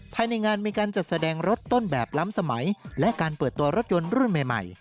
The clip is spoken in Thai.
ภายในงานมีการจัดแสดงรถต้นแบบล้ำสมัยและการเปิดตัวรถยนต์รุ่นใหม่